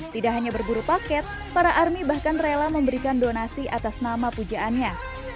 tidak hanya berburu paket para army bahkan rela memberikan donasi atas nama pujaannya